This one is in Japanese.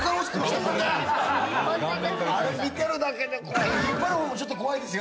あれ見てるだけで怖い。